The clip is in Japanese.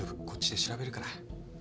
こっちで調べるから。